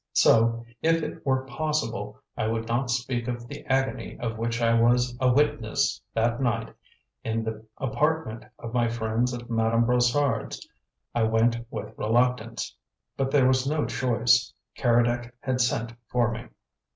So, if it were possible, I would not speak of the agony of which I was a witness that night in the apartment of my friends at Madame Brossard's. I went with reluctance, but there was no choice. Keredec had sent for me.